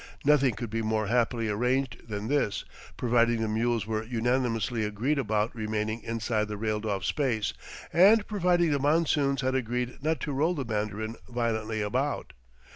Nothing could be more happily arranged than this, providing the mules were unanimously agreed about remaining inside the railed off space, and providing the monsoons had agreed not to roll the Mandarin violently about.